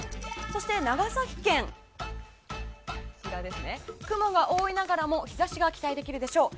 そして長崎県は雲が多いながらも日差しが期待できるでしょう。